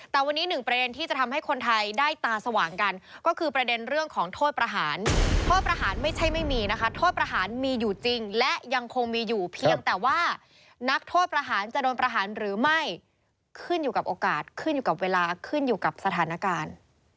แต่วันนี้หนึ่งประเด็นที่จะทำให้คนไทยได้ตาสว่างกันก็คือประเด็นเรื่องของโทษประหารโทษประหารไม่ใช่ไม่มีนะคะโทษประหารมีอยู่จริงและยังคงมีอยู่เพียงแต่ว่านักโทษประหารจะโดนประหารหรือไม่ขึ้นอยู่กับโอกาสขึ้นอยู่กับเวลาขึ้นอยู่กับสถานการณ์